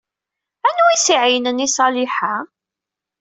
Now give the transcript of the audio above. Anwa ay as-iɛeyynen i Ṣaliḥa?